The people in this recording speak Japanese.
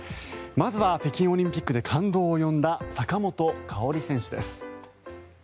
まずは北京オリンピックで感動を呼んだ坂本花織選手です。